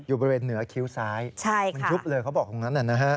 อยู่บริเวณเหนือคิ้วซ้ายมันชุบเลยเขาบอกคุณนั้นนะฮะ